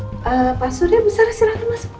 pak sudha bu sarah silahkan masuk